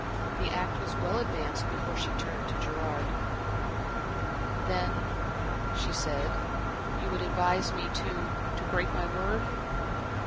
The act was well advanced before she turned to Gerard. "Then," she said, "you would advise me to to break my word?"